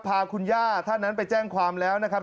พาคุณย่าท่านนั้นไปแจ้งความแล้วนะครับ